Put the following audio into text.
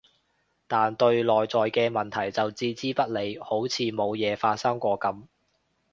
但對內在嘅問題就置之不理，好似冇嘢發生過噉